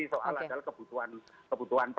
soal adalah kebutuhan perut kan